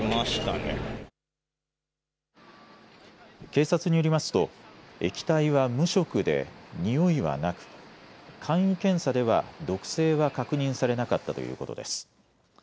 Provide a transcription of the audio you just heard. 警察によりますと液体は無色でにおいはなく簡易検査では毒性は確認されなかったということです。